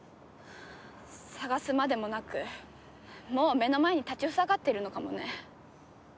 探すまでもなくもう目の前に立ち塞がっているのかもね。